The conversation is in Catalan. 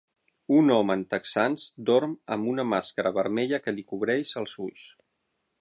Un home en texans dorm amb una màscara vermella que li cobreix els ulls.